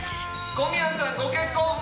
小宮さんご結婚。